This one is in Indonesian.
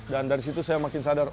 dan dari situ saya makin sadar